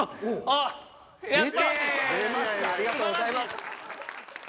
ありがとうございます。